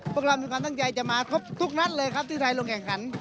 พวกเรามีความตั้งใจจะมาครบทุกนัดเลยครับที่ไทยลงแข่งขัน